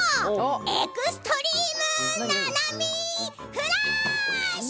エクストリーム「ななみフラッシュ！」。